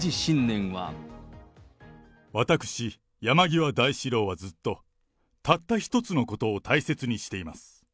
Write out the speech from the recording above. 私、山際大志郎はずっと、たった一つのことを大切にしています。